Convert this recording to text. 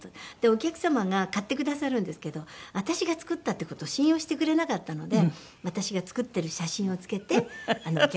お客様が買ってくださるんですけど私が作ったっていう事を信用してくれなかったので私が作ってる写真を付けてお客様に。